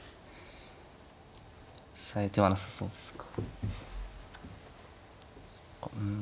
さえてはなさそうですか。